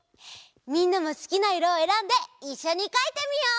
みんなもすきないろをえらんでいっしょにかいてみよう！